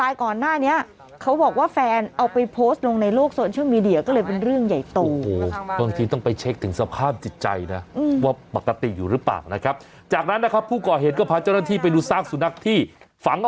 อยู่แถวป่าข้างโอ้น่าสงสารอ่ะคุณเชื่อมั้ยเจอกี่ศพรู้มั้ยสุนัขอ่ะ